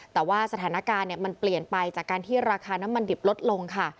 แต่ว่าสถานการณ์มันเปลี่ยนไปจากการที่ราคาน้ำมันดิบลดลงค่ะ